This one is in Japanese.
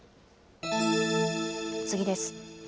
次です。